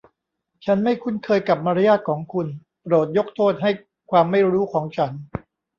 ฉันไม่คุ้นเคยกับมารยาทของคุณ โปรดยกโทษให้ความไม่รู้ของฉัน